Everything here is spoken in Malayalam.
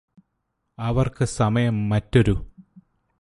അവർക്ക് സമയം മറ്റൊരു